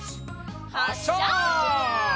はっしゃ！